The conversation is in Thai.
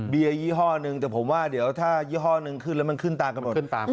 เบี้ยยี่ห้อนึงซักผมว่าเดี๋ยวให้ไข้หอยนึงขึ้นแล้วมันขึ้นตามกันหมด